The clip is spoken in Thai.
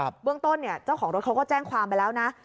เบื้องต้นเนี่ยเจ้าของรถเขาก็แจ้งความไปแล้วนะ